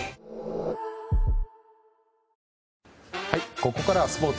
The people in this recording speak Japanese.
ここからはスポーツ。